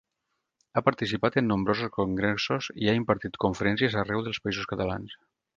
Ha participat en nombrosos congressos i ha impartit conferències arreu dels Països Catalans.